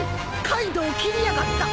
カイドウを斬りやがった！